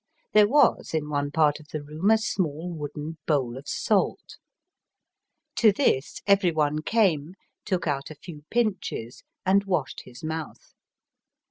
There was in one part of the room a small wooden bowl of salt. To this every one came, took out a few pinches, and washed his mouth.